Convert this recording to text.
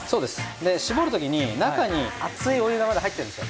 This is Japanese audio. で絞るときに中に熱いお湯がまだ入ってるんですよ。